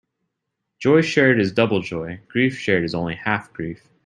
Joy shared is double joy; grief shared is only half grief.